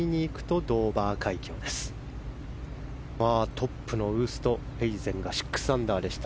トップのウーストヘイゼンが６アンダーでした。